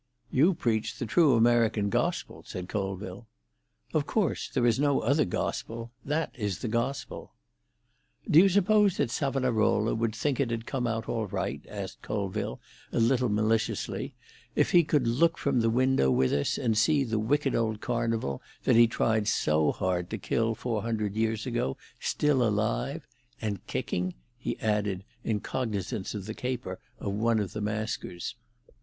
"You preach the true American gospel," said Colville. "Of course; there is no other gospel. That is the gospel." "Do you suppose that Savonarola would think it had all come out right," asked Colville, a little maliciously, "if he could look from the window with us here and see the wicked old Carnival, that he tried so hard to kill four hundred years ago, still alive? And kicking?" he added, in cognisance of the caper of one of the maskers.